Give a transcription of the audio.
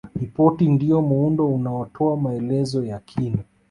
Ripoti ndiyo muundo unaotoa maelezo ya kina